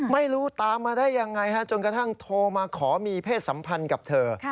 ไม่รู้ตามมาได้ยังไงจนกระทั่งโทรมาขอมีเพศสัมพันธ์กับเธอ